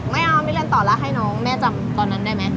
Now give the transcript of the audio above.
ไม่เอาไม่เรียนต่อแล้วให้น้องแม่จำตอนนั้นได้ไหม